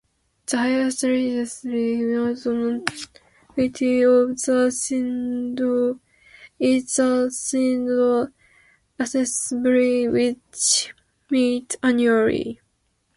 The highest legislative authority of the synod is the Synod Assembly, which meets annually.